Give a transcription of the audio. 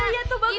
iya itu bagus